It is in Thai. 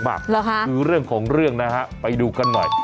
คือเรื่องของเรื่องนะฮะไปดูกันหน่อย